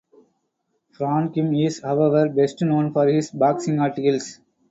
Frauenheim is, however, best known for his boxing articles.